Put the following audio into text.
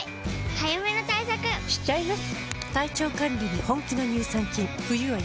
早めの対策しちゃいます。